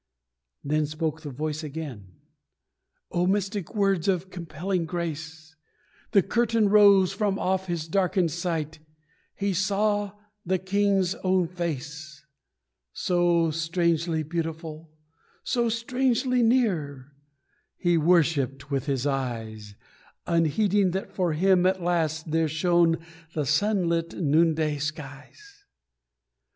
Then spoke the Voice again. Oh, mystic words Of a compelling grace: The curtain rose from off his darkened sight He saw the King's own face. So strangely beautiful so strangely near He worshipped with his eyes, Unheeding that for him at last there shone The sunlit noonday skies.